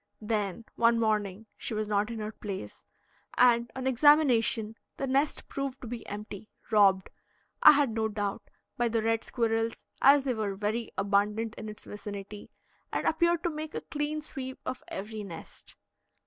Then one morning she was not in her place, and on examination the nest proved to be empty robbed, I had no doubt, by the red squirrels, as they were very abundant in its vicinity, and appeared to make a clean sweep of every nest.